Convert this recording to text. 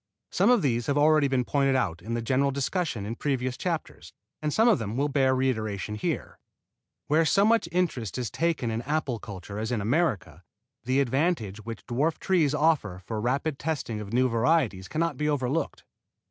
Some of these have already been pointed out in the general discussion in previous chapters, and some of them will bear reiteration here. Where so much interest is taken in apple culture as in America, the advantage which dwarf trees offer for the rapid testing of new varieties cannot be overlooked.